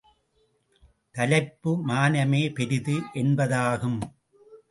தலைப்பு மானமே பெரிது என்பதாகும்.